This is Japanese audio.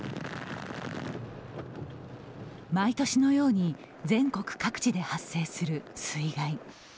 毎年のように全国各地で発生する水害。